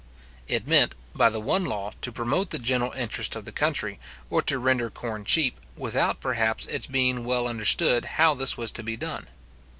It meant, by the one law, to promote the general interest of the country, or to render corn cheap, without, perhaps, its being well understood how this was to be done.